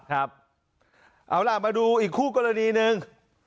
เอาล่ะมาดูอีกคู่กรณีหนึ่ง